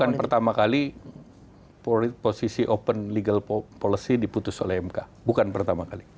dan bukan pertama kali posisi open legal policy diputus oleh mk bukan pertama kali